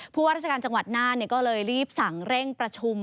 ว่าราชการจังหวัดน่านก็เลยรีบสั่งเร่งประชุม